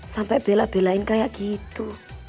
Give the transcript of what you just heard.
sampai bela belain kayak gitu